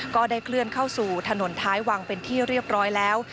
ก็ได้เคลื่อนเข้าสู่ถนนท้ายวังเป็นที่เรียบร้อยแล้ว